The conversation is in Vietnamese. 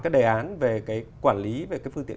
cái đề án về cái quản lý về cái phương tiện